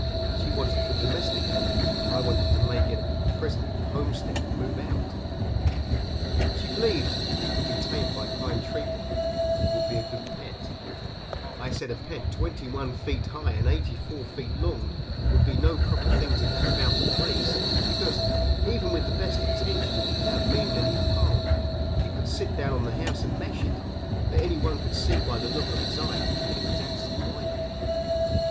She wanted to domesticate it, I wanted to make it a present of the homestead and move out. She believed it could be tamed by kind treatment and would be a good pet; I said a pet twenty one feet high and eighty four feet long would be no proper thing to have about the place, because, even with the best intentions and without meaning any harm, it could sit down on the house and mash it, for any one could see by the look of its eye that it was absent minded.